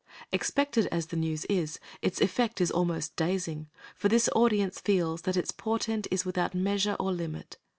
Expected as the news is, its effect is almost dazing, for this audience feels that its portent is without measure or limit.